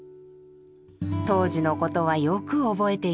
当時のことはよく覚えています。